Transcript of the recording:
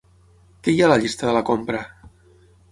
Què hi ha a la llista de la compra?